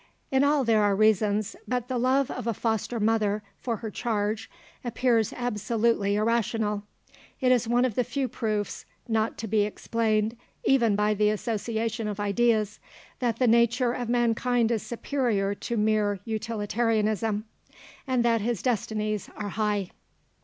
In all there are reasons; but the love of a foster mother for her charge appears absolutely irrational. It is one of the few proofs, not to be explained even by the association of ideas, that the nature of mankind is superior to mere utilitarianism, and that his destinies are high.